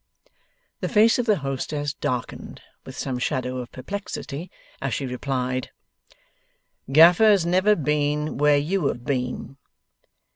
The face of the hostess darkened with some shadow of perplexity, as she replied: 'Gaffer has never been where you have been.